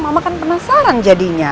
mama kan penasaran jadinya